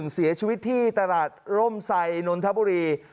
เสียชีวิตที่ตลาดร่มไซนนทบุรี